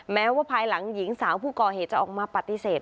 แม้ว่าภายหลังหญิงสาวผู้ก่อเหตุจะออกมาปฏิเสธ